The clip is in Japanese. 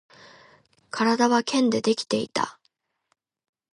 体は剣でできていた